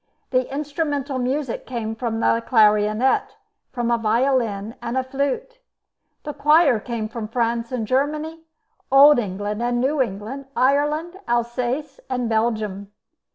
The instrumental music came from the clarionet, from a violin, and a flute. The choir came from France and Germany, Old England and New England, Ireland, Alsace, and Belgium.